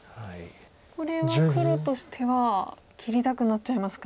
これは黒としては切りたくなっちゃいますか？